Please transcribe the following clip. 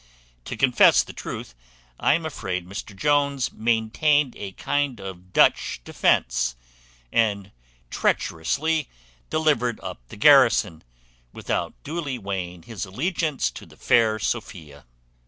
To confess the truth, I am afraid Mr Jones maintained a kind of Dutch defence, and treacherously delivered up the garrison, without duly weighing his allegiance to the fair Sophia.